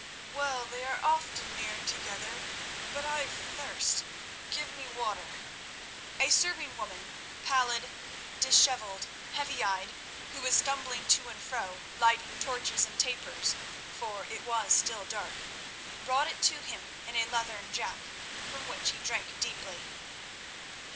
"Well, they are often near together. But I thirst. Give me water." A serving woman, pallid, dishevelled, heavy eyed, who was stumbling to and fro, lighting torches and tapers, for it was still dark, brought it to him in a leathern jack, from which he drank deeply.